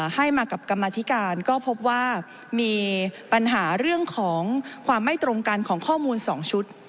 ให้มากับกรรมธิการก็พบว่ามีปัญหาเรื่องของความไม่ตรงกันของข้อมูล๒ชุด